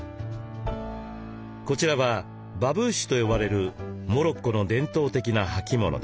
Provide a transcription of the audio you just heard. こちらはバブーシュと呼ばれるモロッコの伝統的な履物です。